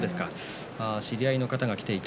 知り合いの方が来ていた。